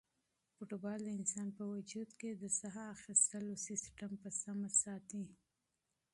فوټبال د انسان په وجود کې د ساه اخیستلو سیسټم په سمه ساتي.